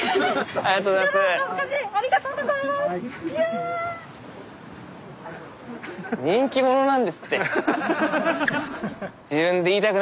ありがとうございますうん。